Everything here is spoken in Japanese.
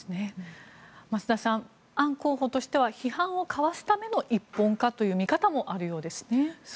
増田さんアン候補としては批判をかわすための一本化という見方もあるようです。